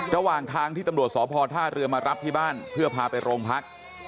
ระหว่างทางที่ตำรวจสพท่าเรือมารับที่บ้านเพื่อพาไปโรงพัก